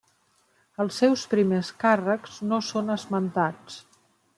Els seus primers càrrecs no són esmentats.